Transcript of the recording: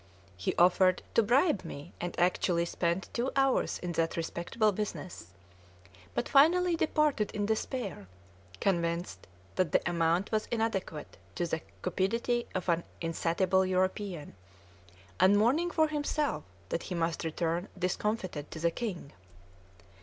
He offered to bribe me, and actually spent two hours in that respectable business; but finally departed in despair, convinced that the amount was inadequate to the cupidity of an insatiable European, and mourning for himself that he must return discomfited to the king.